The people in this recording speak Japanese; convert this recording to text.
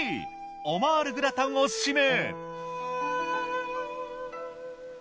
オマールグラタンを指名。